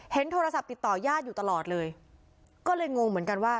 โทรศัพท์ติดต่อญาติอยู่ตลอดเลยก็เลยงงเหมือนกันว่า